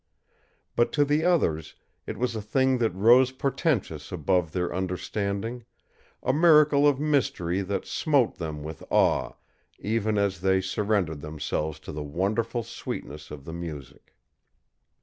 But to the others it was a thing that rose portentous above their understanding, a miracle of mystery that smote them with awe even as they surrendered themselves to the wonderful sweetness of the music.